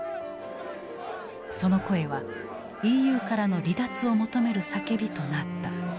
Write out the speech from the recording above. その声はＥＵからの離脱を求める叫びとなった。